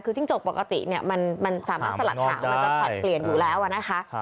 คือจิ้งจกปกติมันสามารถสลัดหางมันจะผลัดเปลี่ยนอยู่แล้วนะคะ